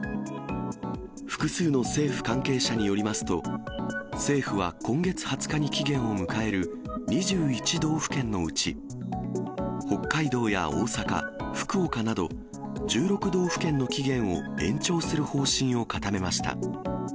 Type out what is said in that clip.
複数の政府関係者によりますと、政府は今月２０日に期限を迎える２１道府県のうち、北海道や大阪、福岡など、１６道府県の期限を延長する方針を固めました。